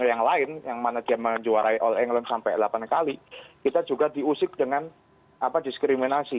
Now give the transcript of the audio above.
yang lain yang mana dia menjuarai all england sampai delapan kali kita juga diusik dengan diskriminasi